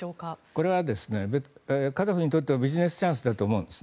これはカザフにとってもビジネスチャンスだと思うんです。